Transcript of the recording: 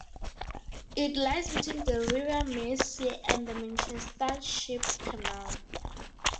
It lies between the River Mersey and the Manchester Ship Canal.